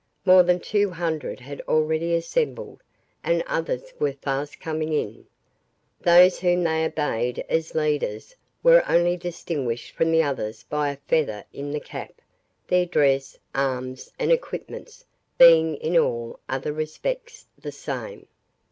More than two hundred had already assembled, and others were fast coming in. Those whom they obeyed as leaders were only distinguished from the others by a feather in the cap, their dress, arms, and equipments being in all other respects the same.